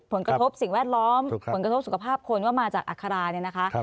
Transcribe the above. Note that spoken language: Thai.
ผลกระทบสิ่งแวดล้อมผลกระทบสุขภาพคนว่ามาจากอัคราเนี่ยนะคะ